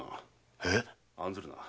えっ⁉案ずるな。